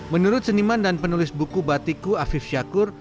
menurut seniman dan penulis buku batiku afif syakur